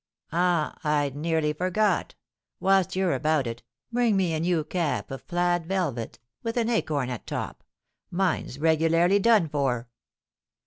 "Ah, I'd nearly forgot; whilst you're about it, bring me a new cap, of plaid velvet, with an acorn at top; mine's regularly done for."